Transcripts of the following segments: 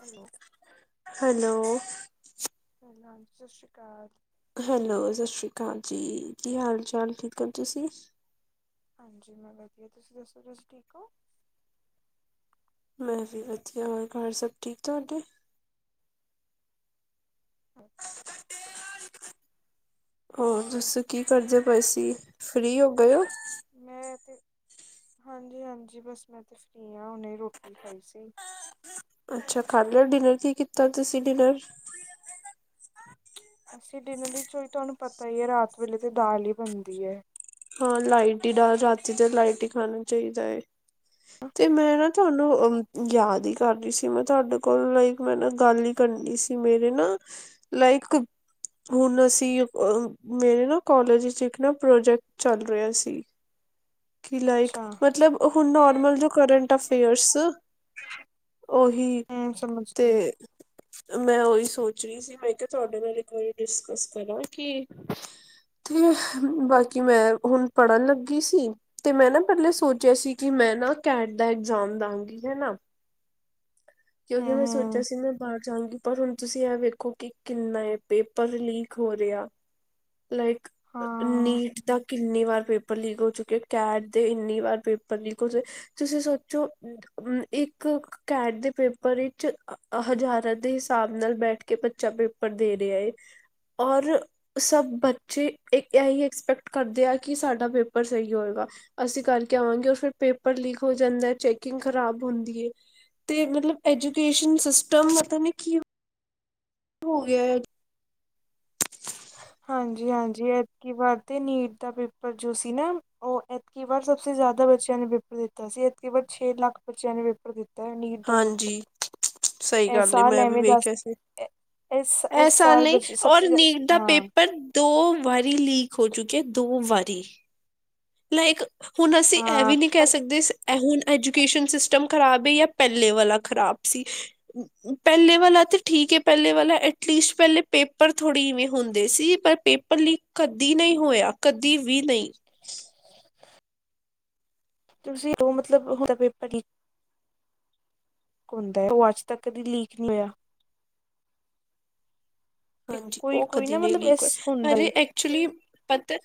Hello, hello, hello ਹਾਂਜੀ, ਸਸ ਰੀ ਕਾਲ। ਹੈਲੋ, ਸਸ ਰੀ ਕਾਲ ਜੀ, ਕੀ ਹਾਲ- ਚਾਲ, ਠੀਕ ਹੋ ਤੁਸੀ। ਹਾਂਜੀ ਮੈਂ ਵਧੀਆ, ਤੁਸੀਂ ਦੱਸੋ ਤੁਸੀਂ ਠੀਕ ਹੋ। ਮੈਂ ਵੀ ਵਧੀਆ, ਹੋਰ ਘਰ ਸਭ ਠੀਕ ਤੁਹਾਡੇ। ਹੋਰ ਤੁਸੀ ਕੀ ਕਰਦੇ ਪਏ ਸੀ, ਫ੍ਰੀ ਹੋ ਗਏ ਹੋ। ਮੈਂ ਤਾਂ ਹਾਂਜੀ-ਹਾਂਜੀ ਬਸ ਮੈਂ ਤੇ ਫਰੀ ਹਾਂ, ਹੁਣੇ ਰੋਟੀ ਖਾਈ ਸੀ। ਅੱਛਾ ਖਾ ਲਿਆ ਡਿਨਰ, ਕੀ ਕੀਤਾ ਤੁਸੀਂ ਡਿਨਰ? ਅਸੀਂ ਡਿਨਰ ਵਿੱਚ ਹੀ ਤੁਹਾਨੂੰ ਪਤਾ ਈ ਏ, ਰਾਤ ਵੇਲੇ ਤੇ ਦਾਲ ਹੀ ਬਣਦੀ ਐ। ਹਾਂ ਲਾਈਟ ਹੀ, ਡਾ ਰਾਤੀ ਤਾਂ ਲਾਈਟ ਹੀ ਖਾਣਾ ਚਾਹੀਦਾ ਐ। ਤੇ ਮੈਂ ਨਾ ਤੁਹਾਨੂੰ ਅ ਯਾਦ ਹੀ ਕਰਦੀ ਸੀ, ਮੈਂ ਤੁਹਾਡੇ ਕੋਲ ਲਾਈਕ ਮੈਂ ਨਾ ਗੱਲ ਹੀ ਕਰਨੀ ਸੀ, ਮੇਰੇ ਨਾ ਲਾਇਕ ਹੁਣ ਅਸੀਂ ਅ ਮੇਰੇ ਨਾ ਕੋਲਜ ਵਿੱਚ, ਇੱਕ ਨਾ ਪ੍ਰੋਜੈਕਟ ਚੱਲ ਰਿਹਾ ਸੀ। ਕਿ ਲਾਇਕ ਅੱਛਾ ਮਤਲਬ ਹੁਣ ਨੋਰਮਲ ਜੋ ਕਰੰਟ ਅਫੇਅਰਸ ਉਹੀ ਹਮ ਸਮਝ ਤੇ ਗਈ ਮੈਂ ਉਹੀ ਸੋਚ ਰਹੀ ਸੀ, ਮੈਂ ਕਿਹਾ ਤੁਹਾਡੇ ਨਾਲ ਇੱਕ ਵਾਰੀ ਡਿਸਕਸ ਕਰਾਂ ਕਿ ਤੇ ਬਾਕੀ ਮੈਂ ਹੁਣ ਪੜ੍ਹਨ ਲੱਗੀ ਸੀ। ਤੇ ਮੈਂ ਨਾ ਪਹਿਲੇ ਸੋਚਿਆ ਸੀ, ਕਿ ਮੈਂ ਨਾ ਕੈਟ ਦਾ ਇਗਜ਼ਾਮ ਦਾਂਗੀ, ਹਨਾ। ਕਿਉਂਕਿ ਹਮ ਮੈਂ ਸੋ ਸੋਚਿਆ ਹਮ ਸੀ ਮੈਂ ਬਾਹਰ ਜਾਂਗੀ, ਪਰ ਹੁਣ ਤੁਸੀਂ ਇਹ ਵੇਖੋ ਕਿ ਕਿੰਨਾ ਪੇਪਰ ਲੀਕ ਹੋ ਰਿਹਾ। ਲਾਈਕ ਹਾਂ ਨੀਟ ਦਾ ਕਿ ਕਿੰਨੀ ਵਾਰ ਪੇਪਰ ਲੀਕ ਹੋ ਚੁੱਕਿਆ, ਕੈਟ ਦੇ ਇੰਨੀ ਵਾਰ ਪੇਪਰ ਲੀਕ ਹੋ, ਚ ਤੁਸੀਂ ਸੋਚੋ ਹੂੰ, ਇੱਕ ਕੈਟ ਦੇ ਪੇਪਰ ਵਿੱਚ ਹਜ਼ਾਰਾਂ ਦੇ ਹਿਸਾਬ ਨਾਲ ਬੈਠ ਕੇ ਬੱਚਾ ਪੇਪਰ ਦੇ ਰਿਹਾ ਏ। ਔਰ ਸਭ ਬੱਚੇ ਇਹੀ ਐਕਸਪੈਕਟ ਕਰਦੇ ਆ, ਕਿ ਸਾਡਾ ਪੇਪਰ ਸਹੀ ਹੋਏਗਾ। ਅਸੀਂ ਕਰਕੇ ਆਵਾਂਗੇ, ਉਹ ਫਿਰ ਪੇਪਰ ਲੀਕ ਹੋ ਜਾਂਦਾ ਐ, ਚੈਕਿੰਗ ਖ਼ਰਾਬ ਹੁੰਦੀ ਏ। ਤੇ ਮਤਲਬ ਐਜੂਕੇਸ਼ਨ ਸਿਸਟਮ ਪਤਾ ਨੀ ਕੀ ਹੋ ਗਿਆ। ਹਾਂਜੀ-ਹਾਂਜੀ, ਐਤਕੀ ਵਾਰ ਤੇ ਨੀਟ ਦਾ ਪੇਪਰ ਜੋ ਸੀ, ਨਾ ਉਹ ਕੀ ਵਾਰ ਸਭਸੇ ਜ਼ਿਆਦਾ ਬੱਚਿਆਂ ਨੇ ਪੇਪਰ ਦਿੱਤਾ ਸੀ, ਐਤਕੀ ਵਾਰ ਛੇ ਲੱਖ ਬੱਚਿਆਂ ਨੇ ਪੇਪਰ ਦਿੱ ਤਾ ਨੀਟ ਦਾ ਪੇਪਰ। ਹਾਂਜੀ ਸਹੀ ਇਹ ਗੱਲ ਏ, ਸਾਲ ਮੈਂ ਵੀ ਐਵੇਂ ਦੱਸ ਵੇਖਿਆ ਸੀ। ਇਸ ਸਾਲ ਨਈ, ਬੱਚੇ ਸਭ ਔਰ ਸੇ ਨੀਟ ਦਾ ਹਾਂ ਪੇਪਰ ਦੋ ਵਾਰੀ ਲੀਕ ਹੋ ਚੁੱਕਿਆ, ਦੋ ਵਾਰੀ। ਲਾਇਕ ਹੁਣ ਅਸੀਂ ਇਹ ਹਾਂ ਵੀ ਨਹੀਂ ਕਹਿ ਪਰ ਸਕਦੇ। ਇਹ ਹੁਣ ਐਜੂਕੇਸ਼ਨ ਸਿਸਟਮ ਖਰਾਬ ਹੈ ਪਹਿਲੇ ਵਾਲਾ ਖਰਾਬ ਸੀ। ਪਹਿਲੇ ਵਾਲਾ ਤਾਂ ਠੀਕ ਹੈ ਪਹਿਲੇ ਵਾਲਾ ਐਟਲੀਸਟ ਪਹਿਲੇ ਪੇਪਰ ਥੋੜੀ ਐਵੇਂ ਹੁੰਦੇ ਸੀ ਪਰ ਪੇਪਰ ਲੀਕ? ਕਦੀ ਨਹੀਂ ਹੋਇਆ ਕਦੀ ਵੀ ਨਹੀਂ। [unintelligible] ਤੁਸੀਂ ਉਹ ਹੋਣਾ ਪੇਪਰ ਲੀਕ ਹੁੰਦਾ ਉਹ ਅੱਜ ਤੱਕ ਕਦੀ ਲੀਕ ਨਹੀਂ ਹੋਇਆ। ਹਾਂਜੀ ਕੋਈ ਉਹ ਕੋਈ ਕਦੀ ਨਾ ਨਹੀਂ ਮਤਲਬ ਲੀਕ ਇਸ ਹੋਏ ਹੁੰਦਾ ਪਰ ਏ ਐਚਲੀ ਪਤਾ?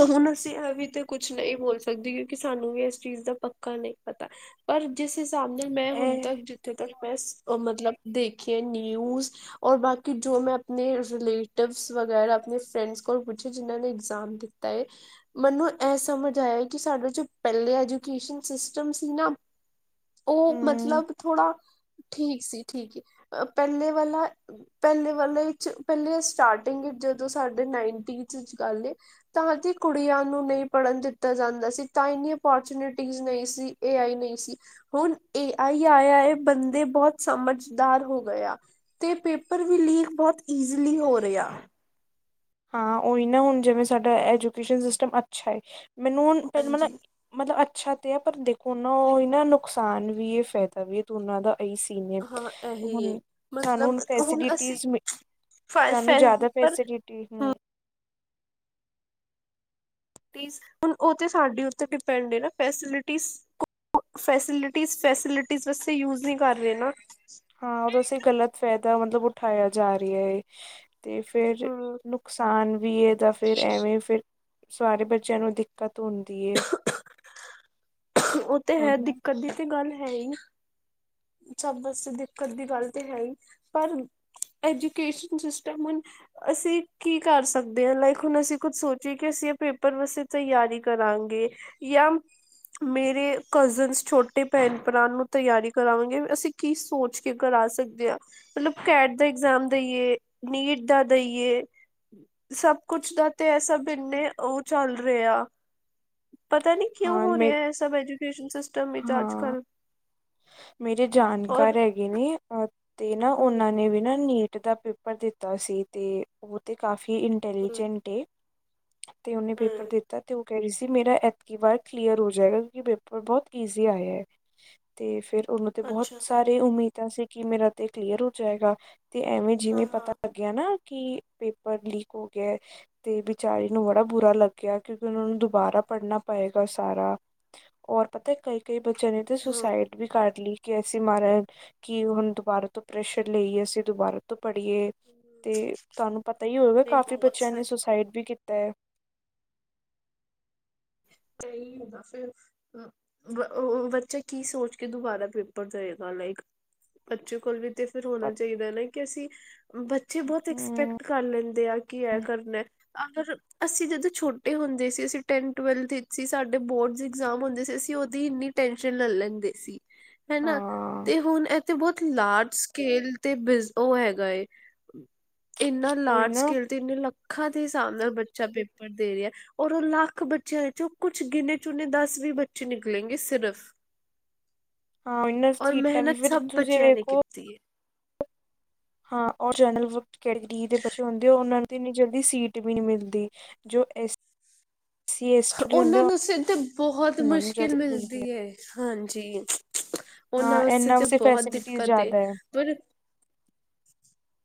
ਉਹਨੂੰ ਸੀਗਾ ਤੇ ਕੁਛ ਨਹੀਂ ਬੋਲ ਸਕਦੇ ਕਿਉਂਕਿ ਸਾਨੂੰ ਵੀ ਇਸ ਚੀਜ਼ ਦਾ ਪੱਕਾ ਨਹੀਂ ਪਤਾ। ਪਰ ਜਿਸ ਹਿਸਾਬ ਨਾਲ ਮੈਂ ਹੁਣ ਇਹ ਤੱਕ ਜਿੱਥੇ ਤੱਕ ਮੈਂ ਮਤਲਬ ਦੇਖੀ ਆ ਨਿਊਜ਼? ਔਰ ਬਾਕੀ ਜੋ ਮੈਂ ਆਪਣੇ ਰਿਲੇਟਿਵਸ ਵਗੈਰਾ ਆਪਣੇ ਫਰੈਂਡਸ ਕੋਲ ਪੁੱਛੇ ਜਿਨ੍ਹਾਂ ਨੇ ਇਗਜ਼ਾਮ ਦਿੱਤੇ। ਤੇ ਮੈਨੂੰ ਇਹ ਸਮਝ ਆਇਆ ਕਿ ਸਾਡੇ ਜੋ ਪਹਿਲੇ ਐਜੂਕੇਸ਼ਨ ਸਿਸਟਮ ਸੀ ਨਾ? ਉਹ ਹਮ ਮਤਲਬ ਥੋੜਾ ਠੀਕ ਸੀ ਠੀਕ ਪਹਿਲੇ ਵਾਲਾ? ਪਹਿਲੇ ਵਾਲੇ ਚ ਪਹਿਲੇ ਸਟਾਰਟਿੰਗ ਜਦੋਂ ਸਾਡੇ ਨਾਈਨਟੀਜ਼ ਚ ਗੱਲ ਤਾਂ ਕਿ ਕੁੜੀਆਂ ਨੂੰ ਨਹੀਂ ਪੜ੍ਹਨ ਦਿੱਤਾ ਜਾਂਦਾ ਸੀ ਤਾਂ ਇੰਨੀ ਓਪੋਰਚੁਨਿਟੀ ਨਹੀਂ ਸੀ। ਏ ਆਈ ਨਹੀਂ ਸੀ ਹੁਣ ਏ ਆਈ ਆ ਬੰਦੇ ਬਹੁਤ ਸਮਝਦਾਰ ਹੋ ਗਏ ਆ। ਤੇ ਪੇਪਰ ਵੀ ਲੀਕ ਬਹੁਤ ਇਜਲੀ ਹੋ ਰਿਹਾ। ਹਾਂ, ਉਹੀ ਨਾ ਹੁਣ ਜਿਵੇਂ ਸਾਡਾ ਐਜੂਕੇਸ਼ਨ ਸਿਸਟਮ ਅੱਛਾ ਏ। ਮੈਨੂੰ ਹੁਣ [unintelligible] ਹਾਂਜੀ ਮਤਲਬ ਅੱਛਾ ਤੇ ਆ ਪਰ ਦੇਖੋ ਨਾ ਉਹ ਹੀ ਨਾ ਨੁਕਸਾਨ ਵੀ ਹੈ ਫਾਇਦਾ ਵੀ ਹੈ ਦੋਨਾਂ ਦਾ। ਪਈ ਸੀ ਨੇ ਹਾਂ ਇਹੀ ਹੈ ਹੁਣ ਮਤਲਬ ਸਾਨੂੰ ਹੁਣ ਅਸੀਂ ਫੈਸੀਲਿਟੀਸ ਫ ਫ ਸਾਨੂੰ ਜ਼ਿਆਦਾ ਪਰ ਪੈਸੇ ਲਿਟੀ ਨੂੰ। ਫੈਸਿਲਿਟੀ ਉਹ ਸਾਡੇ ਉੱਤੇ ਡਿਪੈਂਡ ਹੈ ਨਾ ਫੈਸਿਲਿਟੀ ਫੈਸਿਲਿਟੀ ਫੈਸਿਲਿਟੀ ਵਸਤੇ ਯੂਜ ਨਹੀਂ ਕਰ ਰਹੇ ਨਾ। ਹਾਂ, ਬਸ ਇਹ ਗ਼ਲਤ ਫਾਇਦਾ ਮਤਲਬ ਉਠਾਇਆ ਜਾ ਰਿਹਾ ਏ। ਤੇ ਫਿਰ ਹਮ ਨੁਕਸਾਨ ਵੀ ਇਹਦਾ ਫਿਰ ਐਵੇਂ ਫਿਰ ਸਾਰੇ ਬੱਚਿਆਂ ਨੂੰ ਦਿੱਕਤ ਹੁੰਦੀ ਏ। ਉਹ ਤੇ ਹੈ ਉਹਦਾ ਦਿੱਕਤ ਦੀ ਤੇ ਗੱਲ ਹੈ ਈ। ਸਭ ਬਸ ਦਿੱਕਤ ਦੀ ਗੱਲ ਤੇ ਹੈ ਹੀ ਪਰ ਐਜੂਕੇਸ਼ਨ ਸਿਸਟਮ ਹੁਣ ਅਸੀਂ ਕੀ ਕਰ ਸਕਦੇ ਹਾਂ ਲਾਈਕ ਹੁਣ ਅਸੀਂ ਕੁੱਝ ਸੋਚੀਏ ਕਿ ਅਸੀਂ ਇਹ ਪੇਪਰ ਵਾਸਤੇ ਤਿਆਰੀ ਕਰਾਂਗੇ। ਜਾਂ ਮੇਰੇ ਕਜ਼ਨਸ ਛੋਟੇ ਭੈਣ ਭਰਾ ਨੂੰ ਤਿਆਰੀ। ਕਰਾਵਾਂਗੇ ਅਸੀਂ ਕੀ ਸੋਚ ਕੇ ਕਰਾ ਸਕਦੇ ਆ। ਮਤਲਬ ਕੈਟ ਦਾ ਇਗਜ਼ਾਮ ਦੇਈਏ ਨੀਟ ਦਾ ਦੇਈਏ। ਸਭ ਕੁਛ ਦਾ ਤੇ ਐਸਭ ਇੰਨੇ ਉਹ ਚੱਲ ਰਿਹੇ ਆ, ਪਤਾ ਨੀ। ਕਿਉਂ ਹਾਂ ਹੋ ਮੇ ਰਿਹਾ ਇਹ ਸਭ ਐਜੂਕੇਸ਼ਨ ਸਿਸਟਮ ਵਿੱਚ ਅੱਜ ਹਾਂ ਕੱਲ। ਮੇਰੇ ਜਾਣਕਾਰ ਹੈਗੇ ਨੇ ਤੇ ਨਾ, ਉਹਨਾਂ ਨੇ ਵੀ ਨਾ ਨੀਟ। ਜਿੱਦਾਂ ਪੇਪਰ ਦਿੱਤਾ ਸੀ ਤੇ ਉਹ ਤੇ ਕਾਫੀ ਇਟੈਲੀਜੈਂਟ ਏ। ਤੇ ਉਹਨੇ ਪੇਪਰ ਦਿੱਤਾ। ਤੇ ਉਹ ਕਹਿ ਰਹੀ ਸੀ ਮੇਰਾ ਐਤਕੀ ਵਾਰ ਕਲੀਅਰ ਹੋ ਜਾਏਗਾ, ਕਿਉਂਕਿ ਪੇਪਰ ਬਹੁਤ ਈਜ਼ੀ ਆਇਆ। ਤੇ ਫਿਰ ਉਹਨੂੰ ਤੇ ਬਹੁਤ ਸਾਰੇ ਉਮੀਦਾਂ ਸੀ ਕਿ ਮੇਰਾ ਤੇ ਕਲੀਅਰ ਹੋ ਜਾਏਗਾ ਤੇ ਐਵੇਂ ਜਿਵੇਂ ਪਤਾ ਲੱਗਿਆ ਨਾ ਕਿ ਪੇਪਰ ਲੀਕ ਹੋ ਗਿਆ। ਤੇ ਵਿਚਾਰੀ ਨੂੰ ਬੜਾ ਬੁਰਾ ਲੱਗਿਆ ਕਿਉਂਕਿ ਉਹਨਾਂ ਨੂੰ ਦੁਬਾਰਾ ਪੜ੍ਹਨਾ ਪਏਗਾ ਸਾਰਾ। ਹੋਰ ਪਤਾ ਕਈ- ਕਈ ਬੱਚਿਆਂ ਨੇ ਤੇ ਸੁਸਾਈਡ ਵੀ ਕਰ ਲਈ ਕਿ ਅਸੀਂ ਮਾਰਾ ਕਿ ਹੁਣ ਦੁਬਾਰਾ ਤੋਂ ਪ੍ਰੈਸ਼ਰ ਲਈਏ ਅਸੀਂ ਦੁਬਾਰਾ ਤੋਂ ਪੜੀਏ। ਤੇ ਤੁਹਾਨੂੰ ਪਤਾ ਹੀ ਹੋਵੇਗਾ ਕਾਫ਼ੀ ਬੱਚਿਆਂ ਨੇ ਸੁਸਾਈਡ ਵੀ ਕੀਤਾ ਏ। ਸਹੀ ਹੁੰਦਾ ਫਿਰ। ਉਹ ਬੱਚਾ ਕੀ ਸੋਚ ਕੇ ਦੁਬਾਰਾ ਪੇਪਰ ਦੇਵੇਗਾ ਲਾਈਕ ਬੱਚੇ ਕੋਲ ਵੀ ਤੇ ਫਿਰ ਹੋਣਾ ਪਰ ਚਾਹੀਦਾ ਹਨ ਨਾ ਕਿ ਅਸੀਂ ਬੱਚੇ ਬਹੁਤ ਹਮ ਐਕਸਪੈਕਟ ਕਰ ਲੈਂਦੇ ਆ ਕੀ ਐ ਕਰਨਾ। ਅਗਰ ਅਸੀਂ ਜਦੋਂ ਛੋਟੇ ਹੁੰਦੇ ਸੀ ਅਸੀਂ ਟੈਨ ਟਵਲਥ ਸੀ ਸਾਡੇ ਬੋਰਡਜ਼ ਇਗਜ਼ਾਮ ਹੁੰਦੇ ਸੀ ਅਸੀਂ ਉਹਦੀ ਇੰਨੀ ਟੈਨਸ਼ਨ ਲੈ ਲੈਂਦੇ ਸੀ। ਹਨਾ ਹਾਂ ਤੇ ਹੁਣ ਤੇ ਬਹੁਤ ਲਾਰਜ ਸਕਿਲ ਤੇ ਬਿਜ ਉਹ ਹੈਗਾ ਏ। ਇੰਨਾ ਉਹੀ ਲਾਰਜ ਨਾ ਸਕੇਲ ਤਿੰਨ ਲੱਖਾਂ ਦੇ ਹਿਸਾਬ ਨਾਲ ਬੱਚਾ ਪੇਪਰ ਦੇ ਰਿਹਾ ਔਰ ਉਹ ਲੱਖ ਬੱਚਿਆਂ ਵਿੱਚੋਂ ਕੁਛ ਗਿਣੇ ਚੁਣੇ ਦਸ ਵੀਹ ਬੱਚੇ ਨਿਕਲੇਗੇ ਸਿਰਫ ਹਾਂ ਉਹੀ ਨਾ ਔਰ ਸੀਟਾਂ ਵੀ ਮਿਹਨਤ ਫਿਰ ਸਭ ਤੁਸੀਂ ਬੱਚਿਆਂ ਨੇ ਵੇਖੋ ਕੀਤੀ ਏ। ਹਾਂ ਓ ਜਨਰਲ ਵ ਕੈਟੇਗਰੀ ਦੇ ਬੱਚੇ ਹੁੰਦੇ ਉਹਨਾਂ ਨੂੰ ਤੇ ਇੰਨੀ ਜਲਦੀ ਸੀਟ ਵੀ ਨਹੀਂ ਮਿਲਦੀ। ਜੋ ਐਸ ਸੀ ਐਸ ਟੀ ਹੁੰਦੇ ਉਹਨਾਂ ਨੂੰ ਸਿਰਧ ਬਹੁਤ ਉਹਨਾਂ ਨੂੰ ਮੁਸ਼ਕਿਲ ਜਲਦੀ ਮਿਲਦੀ ਹੈ ਹਾਂਜੀ। ਉਹਨਾਂ ਹਾਂ ਵਾਸਤੇ ਇਹਨਾਂ ਤੇ ਬਹੁਤ ਫੈਸਿਲਿਟੀਜ਼ ਦਿੱਕਤ ਜ਼ਿਆਦਾ ਹੈ ਪਰ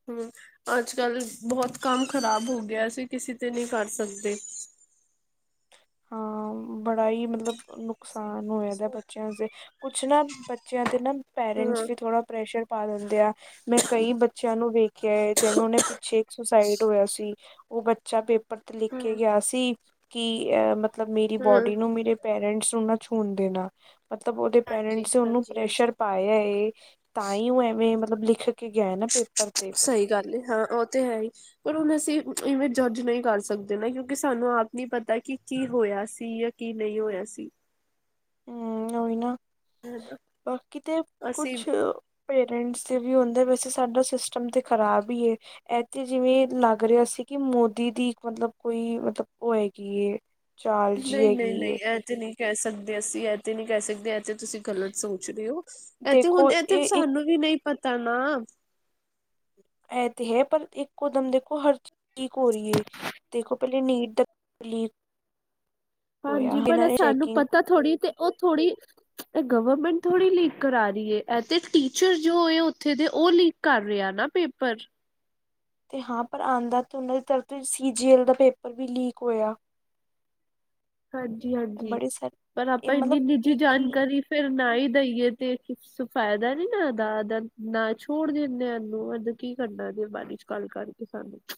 ਹੂੰ ਅੱਜ ਕੱਲ੍ਹ ਬਹੁਤ ਕੰਮ ਖ਼ਰਾਬ ਹੋ ਗਿਆ ਅਸੀਂ ਕਿਸੇ ਤੇ ਨਹੀਂ ਕਰ ਸਕਦੇ। ਹਾਂ ਬੜਾ ਹੀ ਮਤਲਬ ਤੁਸੀਂ ਨੁਕਸਾਨ ਹੋਇਆ ਦਾ ਸੋ ਬੱਚਿਆਂ ਅਸਤੇ ਕੁਛ ਨਾ ਬੱਚਿਆਂ 'ਤੇ ਨਾ ਪੈਰੈਂਟਸ ਹਮ ਵੀ ਥੋੜ੍ਹਾ ਪ੍ਰੈਸ਼ਰ ਪਾ ਦਿੰਦੇ ਆ ਮੈਂ ਕਈ ਬੱਚਿਆਂ ਨੂੰ ਵੇਖਿਆ ਹੈ ਜਿਵੇਂ ਉਹਨੇ ਪਿੱਛੇ ਇੱਕ ਸੁਸਾਇਡ ਹੋਇਆ ਸੀ। ਉਹ ਬੱਚਾ ਪੇਪਰ ਤੇ ਲਿਖ ਹਮ ਕੇ ਗਿਆ ਸੀ ਕਿ ਅਹ ਮਤਲਬ ਮੇਰੀ ਹਮ ਬੋਡੀ ਨੂੰ ਮੇਰੇ ਪੇਰੈਂਟਸ ਨੂੰ ਨਾ ਛੂਣ ਦੇਣਾ ਮਤਲਬ ਉਹਦੇ ਹਾਂਜੀ ਪੇਰੈਂਟਸ ਨੇ ਉਹਨੂੰ ਹਾਂਜੀ ਹਾਂਜੀ ਪ੍ਰੈਸ਼ਰ ਪਾਇਆ ਏ। ਤਾਂ ਹੀ ਉਹ ਐਵੇਂ ਮਤਲਬ ਲਿਖ ਕੇ ਗਿਆ ਨਾ ਪੇਪਰ ਤੇ ਸਹੀ ਗੱਲ ਹਾਂ ਉਹ ਤੇ ਹੈ ਹੀ। ਪਰ ਹੁਣ ਅਸੀਂ ਇਵੇਂ ਜੱਜ ਨਹੀਂ ਕਰ ਸਕਦੇ ਨਾ ਕਿਉਂਕਿ ਸਾਨੂੰ ਆਪ ਨੀ ਪਤਾ ਕਿ ਕੀ ਹੋਇਆ ਸੀ ਜਾ ਕੀ ਨਹੀਂ ਹੋਇਆ ਸੀ। ਹੂੰ ਉਹੀ ਨਾ ਉਹ ਕਿਤੇ ਅਸੀਂ ਕੁਛ ਪੇਰੈਂਟਸ ਦੇ ਵੀ ਹੁੰਦਾ ਵੈਸੇ ਸਾਡਾ ਸਿਸਟਮ ਤੇ ਖ਼ਰਾਬ ਹੀ ਐ। ਇੱਥੇ ਜਿਵੇਂ ਲੱਗ ਰਿਹਾ ਸੀ ਕਿ ਮੋਦੀ ਦੀ ਇੱਕ ਮਤਲਬ ਕੋਈ ਮਤਲਬ ਉਹ ਹੈਗੀ ਏ। ਚਾਲ ਜੀ ਹੈਗੀ ਨਹੀਂ-ਨਹੀਂ-ਨਹੀਂ ਏ ਇਹ ਤੇ ਨਹੀਂ ਕਹਿ ਸਕਦੇ ਅਸੀਂ ਇਹ ਤੇ ਨਹੀਂ ਕਹਿ ਸਕਦੇ। ਤੇ ਤੁਸੀਂ ਗਲਤ ਸੋਚ ਰਹੇ ਹੋ ਇਹ ਤੇ ਦੇਖੋ ਹੁਣ ਇਹ ਤੇ ਇੱਕ ਸਾਨੂੰ ਵੀ ਨਹੀਂ ਪਤਾ ਨਾ ਇਹ ਤੇ ਹੈ ਪਰ ਇੱਕੋ ਦਮ ਦੇਖੋ ਹਰ ਲੀਕ ਹੋ ਰਹੀ ਏ। ਦੇਖੋ ਪਹਿਲੇ ਨੀਟ ਦਾ ਲੀਕ ਹੋਇਆ ਹਾਂਜੀ ਪਰ ਇਹਨਾਂ ਨੇ ਸਾਨੂੰ ਚੈਕਿੰਗ ਪਤਾ ਥੋੜ੍ਹੀ ਤੇ ਉਹ ਥੋੜ੍ਹੀ ਇਹ ਗਵਰਮੈਂਟ ਥੋੜੀ ਲੀਕ ਕਰਾ ਰਹੀ ਹੈ ਤੇ ਟੀਚਰ ਜੋ ਹੋ ਉਥੇ ਦੇ ਉਹ ਲੀਕ ਕਰ ਰਿਹਾ ਨਾ ਪੇਪਰ ਤੇ ਹਾਂ ਪਰ ਆਂਦਾ ਤੇ ਉਹਨਾਂ ਦੀ ਤਰ ਸੀ ਜੀ ਐਲ ਦਾ ਪੇਪਰ ਵੀ ਲੀਕ ਹੋਇਆ। ਹਾਂਜੀ-ਹਾਂਜੀ ਬੜੇ ਸਾਰੇ ਪਰ ਆਪਾਂ ਇਹ ਇੰਨੀ ਮਤਲਬ ਨਿੱਜੀ ਇਹ ਕੀ ਜਾਣਕਾਰੀ ਫਿਰ ਨਾ ਹੀ ਦਈਏ ਤੇ ਫਾਇਦਾ ਨੀ ਨਾ ਉਹਦਾਦ ਨਾ ਛੋੜ ਦਿੰਦੇ ਇਹਨੂੰ ਕੀ ਕਰਨਾ ਇਹਦੇ ਬਾਰੇ 'ਚ ਗੱਲ ਕਰਕੇ ਸਾਨੂੰ [inaudible]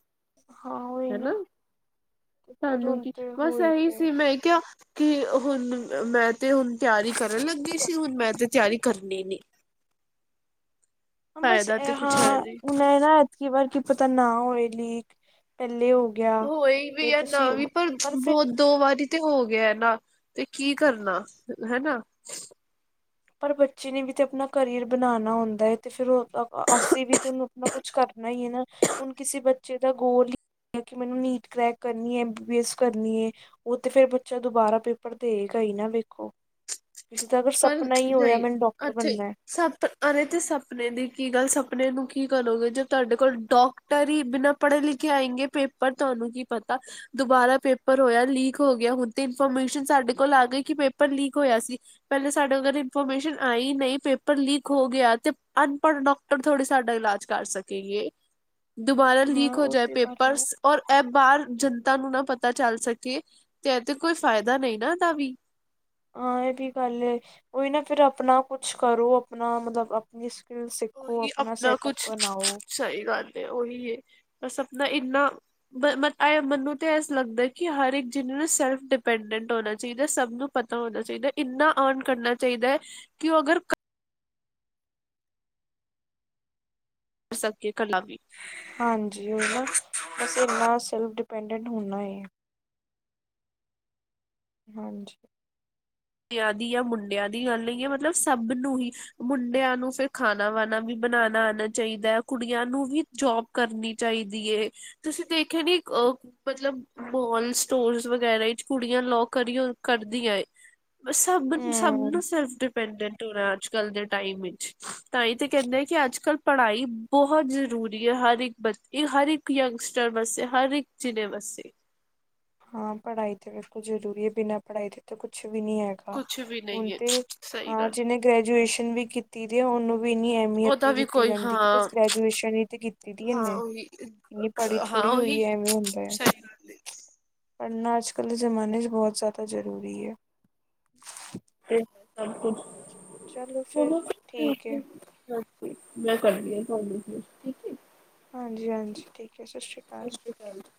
ਹਾਂ ਉਹੀ ਹਨਾ ਨਾ ਤੇ ਫਿਰ ਸਾਨੂੰ ਹੁਣ ਕੀ ਤੇ ਬਸ ਹੋ ਹੀ ਇਹੀ ਗਿਆ। ਸੀ ਮੈਂ ਕਿਹਾ ਕਿ ਹੁਣ ਮੈਂ ਤੇ ਹੁਣ ਤਿਆਰੀ ਕਰਨ ਲੱਗੀ ਸੀ ਹੁਣ ਮੈਂ ਤੇ ਤਿਆਰੀ ਕਰਨੀ ਨੀ। ਬਸ ਫਾਇਦਾ ਤੇ ਇਹ ਕੁਛ ਹੈ ਹਾਂ ਨਹੀਂ ਹੁਣ ਇਹ ਨਾ ਐਤਕੀ ਵਾਰ ਕੀ ਪਤਾ ਨਾ ਹੋਏ ਲੀਕ ਪਹਿਲ ਹੋ ਗਿਆ ਹੋਏ ਵੀ ਤੇ ਹੈ ਨਾ ਤੁਸੀਂ ਵੀ ਪਰ ਬਹੁਤ ਦੋ ਵਾਰੀ ਤੇ ਹੋ ਗਿਆ ਨਾ ਤੇ ਕੀ ਕਰਨਾ ਹਨਾ। ਪਰ ਬੱਚੇ ਨੇ ਵੀ ਤੇ ਆਪਣਾ ਕਰੀਅਰ ਬਣਾਉਣਾ ਹੁੰਦਾ ਹੈ ਤੇ ਫਿਰ ਉਹ ਅਸੀਂ ਵੀ ਤੁਹਾਨੂੰ ਆਪਣਾ ਕੁਛ ਕਰਨਾ ਹੀ ਹੈ ਨਾ ਹੁਣ ਕਿਸੇ ਬੱਚੇ ਦਾ ਗੋਲ ਹੀ ਕਿ ਮੈਨੂੰ ਨੀਟ ਕਰੈਕ ਕਰਨੀ ਐ ਬੀ ਐਸ ਕਰਨੀ ਏ। ਉਹ ਤੇ ਫਿਰ ਬੱਚਾ ਦੁਬਾਰਾ ਪੇਪਰ ਦੇਗਾ ਹੀ ਨਾ ਵੇਖੋ ਕਿਸੇ ਦਾ ਪਰ ਆਪਣਾ ਹੀ ਹੋਇਆ ਨਹੀਂ ਮੈਨੂੰ ਡਾਕਟਰ ਅੱਛੇ ਬਣਨਾ। ਸਪ ਅਰੇ ਤੇ ਸਪਨੇ ਦੀ ਕੀ ਗੱਲ ਸਪਨੇ ਨੂੰ ਕੀ ਕਰੋਗੇ ਜੇ ਤੁਹਾਡੇ ਕੋਲ ਡੋਕ ਟਰ ਹੀ ਬਿਨਾਂ ਪੜ੍ਹੇ ਲਿਖੇ ਆਏਂਗੇ ਪੇਪਰ ਤੁਹਾਨੂੰ ਕੀ ਪਤਾ ਦੁਬਾਰਾ ਪੇਪਰ ਹੋਇਆ ਲੀਕ ਹੋ ਗਿਆ ਹੁਣ ਤੇ ਇਨਫੋਰਮੇਸ਼ਨ ਸਾਡੇ ਕੋਲ ਆ ਗਈ ਕਿ ਪੇਪਰ ਲੀਕ ਹੋਇਆ ਸੀ। ਪਹਿਲੇ ਸਾਡੇ ਅਰ ਇਨਫੋਰਮੇਸ਼ਨ ਆਈ ਨਹੀਂ ਪੇਪਰ ਲੀਕ ਹੋ ਗਿਆ ਤੇ ਅਨਪੜ ਡੋ ਟਰ ਥੋੜੀ ਸਾਡਾ ਇਲਾਜ ਕਰ ਸਕੇਗੇ ਦੁਬਾਰਾ ਹਾਂ ਲੀਕ ਹੋ ਉਹ ਜਾਏ ਤੇ ਕਰ ਰਿਹਾ ਪੇਪਰਸ ਔਰ ਇਹ ਬਾਹਰ ਜਨਤਾ ਨੂੰ ਨਾ ਪਤਾ ਚੱਲ ਸਕੇ ਤੇ ਇਹ ਤੇ ਕੋਈ ਫਾਇਦਾ ਨਹੀਂ ਨਾ ਇਹਦਾ ਵੀ ਹਾਂ ਇਹ ਵੀ ਗੱਲ ਉਹੀ ਨਾ ਫਿਰ ਆਪਣਾ ਕੁਛ ਕਰੋ ਆਪਣਾ ਮਤਲਬ ਅਪਣੀ ਸਕਿੱਲ ਸਿੱਖੋ ਅਪਣਾ ਸੈਟਅਪ ਬਣਾਓ। ਸਈ ਗੱਲ ਤੇ ਓਹੀ ਏ ਤਾਂ ਸਪਨਾ ਇੰਨਾ ਮੈਨੂੰ ਤਾਂ ਏਸ ਲੱਗਦਾ ਕਿ ਹਰ ਜਿਨ ਨੂੰ ਸੈਲਫ ਡਿਪੈਂਡੈਂਟ ਹੋਣਾ ਚਾਈਦਾ ਸਬ ਨੂੰ ਪਤਾ ਹੋਣਾ ਚਾਈਦਾ ਇੰਨਾ ਅਰਨ ਕਰਨਾ ਚਾਈਦਾ ਐ ਕਿ ਉ ਅਗਰ ਸਕੀਏ ਕਲਾ ਵੀ ਹਾਂਜੀ ਓ ਨਾ ਬਸ ਐਨਾ ਸੇਲਫ਼ ਦੀਪੇਂਡੇਟ ਹੋਣਾ ਐ ਹਾਂਜੀ। ਯਾ ਦੀ ਯਾ ਮੁੰਡਿਆਂ ਦੀ ਗੱਲ ਨਈ ਐ ਮਤਲਬ ਸਬ ਨੂੰ ਹੀ ਮੁੰਡਿਆਂ ਨੂੰ ਫੇਰ ਖਾਣਾ-ਵਾਣਾ ਵੀ ਬਣਾਣਾ ਆਣਾ ਚਾਈਦਾ ਐ ਕੁੜੀਆਂ ਨੂੰ ਹੀ ਜੋਬ ਕਰਨੀ ਚਾਈਦੀ ਏ, ਤੁਸੀਂ ਦੇਖਿਆ ਨੀ ਅ ਮਤਲਬ ਮੋਲਸ, ਸਟੋਰਸ ਵਗੈਰਾ ਚ ਕੁੜੀਆਂ ਲੋ ਕਰੀਓ ਕਰਦੀਆਂ ਏ। ਸਬ, ਸਬ ਹਮ ਨੂੰ ਸੈਲਫ ਡਿ ਪੈਂਡੈਂਟ ਹੋਣਾ ਅੱਜ-ਕੱਲ ਦੇ ਟਾਈਮ ਚ, ਤਾਂ ਈ ਤੇ ਕੈਂਦੇ ਆ ਕਿ ਅੱਜ-ਕੱਲ ਪੜ੍ਹਾਈ ਬਹੁਤ ਜ਼ਰੂਰੀ ਐ ਹਰ ਇੱਕ ਬ ਹਰ ਇੱਕ ਯੰਗਸਟਰ ਵਾਸਤੇ ਹਰ ਇੱਕ ਜਨੇ ਵਾਸਤੇ। ਹਾਂ ਪੜ੍ਹਾਈ ਤੇ ਬਿਲਕੁਲ ਜ਼ਰੂਰੀ ਐ, ਬਿਨਾਂ ਪੜ੍ਹਾਈ ਤੇ ਤਾਂ ਕੁੱਛ ਵੀ ਨੀ ਹੈ। ਕੁਛ ਵੀ ਹੁਣ ਨਹੀਂ ਹੈ ਤੇ ਸਹੀ ਹਾਂ ਗੱਲ ਹੈ। ਜਿਨੇ ਗ੍ਰੈਜੂਏਸ਼ਨ ਵੀ ਕੀਤੀ ਦੀ ਏ ਉਨੂੰ ਵੀ ਐ ਮਿਆਰ ਉਹਦਾ ਨੀ ਵੀ ਦਿੱਤੀ ਕੋਈ ਜਾਂਦੀ ਕਿ ਬਸ ਹਾਂ ਗ੍ਰੈਜੂਏਸ਼ਨ ਈ ਤੇ ਕੀਤੀ ਦੀ ਹਾਂ ਇਨੇ। ਉਹੀ ਪੜ੍ਹੀ ਹਾਂ ਥੋੜ੍ਹੀ ਉਹੀ ਹੋਈ ਐ, ਐਵੇਂ ਹੁੰਦਾ। ਸਹੀ ਗੱਲ ਹੈ ਪੜ੍ਹਨਾ ਅੱਜ-ਕੱਲ੍ਹ ਦੇ ਜ਼ਮਾਨੇ ਚ ਬੌਤ ਜ਼ੈਦਾ ਜ਼ਰੂਰੀ ਐ। ਤੇ ਸਬ ਕੁਛ ਚਲੋ ਫਿਰ ਠੀਕ ਹੈ [unintelligible] ਮੈਂ ਕਰਦੀ ਆ ਤੁਆਨੂੰ, ਠੀਕ ਏ। ਹਾਂਜੀ-ਹਾਂਜੀ ਠੀਕ ਐ, ਸਾਸ਼੍ਰੀ ਕਾਲ। [inaudible]